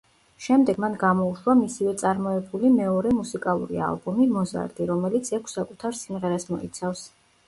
შემდეგ მან გამოუშვა მისივე წარმოებული მეორე მუსიკალური ალბომი, „მოზარდი“, რომელიც ექვს საკუთარ სიმღერას მოიცავს.